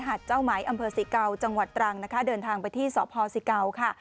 เจ้าไหมอำเภอสิเกาจังหวัดตรังนะคะเดินทางไปที่สพสิเกาค่ะ